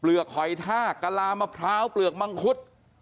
เปลือกหอยทากลาลามะพร้าวเปลือกมังคุต